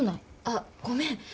あっごめん。